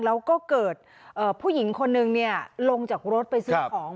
แล้วก็เกิดผู้หญิงคนนึงลงจากรถไปซื้อของ